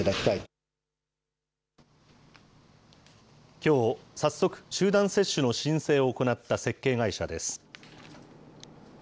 きょう早速、集団接種の申請を行った設計会社です。